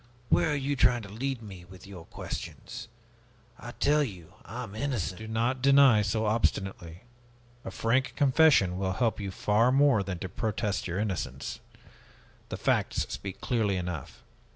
Where are you trying to lead me, with your questions? I tell you, I am innocent!" "Do not deny so obstinately. A frank confession will help you far more than to protest your innocence. The facts speak clearly enough.